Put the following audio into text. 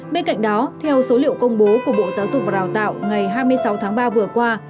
bên cạnh đó theo số liệu công bố của bộ giáo dục và đào tạo ngày hai mươi sáu tháng ba vừa qua